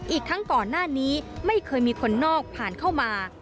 อีกทั้งก่อนหน้านี้ไม่เคยมีคนนอกผ่านเข้ามา